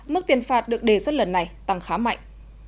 mức tiền phạt được đề xuất lần này tăng khá mạnh